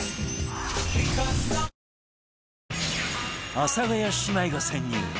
阿佐ヶ谷姉妹が潜入